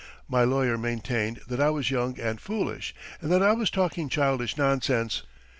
My lawyer maintained that I was young and foolish and that I was talking childish nonsense.